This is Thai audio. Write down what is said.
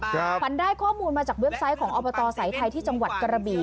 ขวัญได้ข้อมูลมาจากเว็บไซต์ของอบตสายไทยที่จังหวัดกระบี่